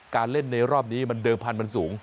เล่นในรอบนี้มันเดิมพันธุ์มันสูง